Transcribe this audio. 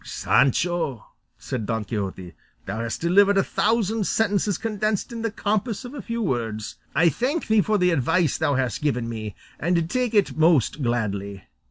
"Sancho," said Don Quixote, "thou hast delivered a thousand sentences condensed in the compass of a few words; I thank thee for the advice thou hast given me, and take it most gladly.